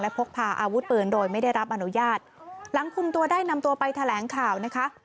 พกพาอาวุธปืนโดยไม่ได้รับอนุญาตหลังคุมตัวได้นำตัวไปแถลงข่าวนะคะ